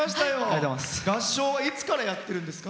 合唱はいつからやってるんですか？